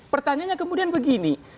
pertanyaannya kemudian begini